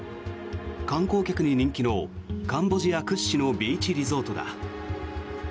観光客に人気のカンボジア屈指のビーチリゾートだ。